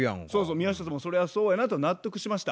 宮下さんもそれはそうやなと納得しました。